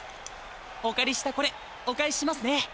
おかりしたこれお返ししますね。